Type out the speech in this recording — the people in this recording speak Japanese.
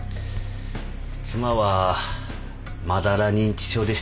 妻はまだら認知症でして。